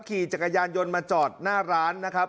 ขี่จักรยานยนต์มาจอดหน้าร้านนะครับ